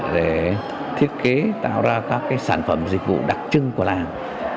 để thiết kế tạo ra các sản phẩm dịch vụ đặc trưng của làng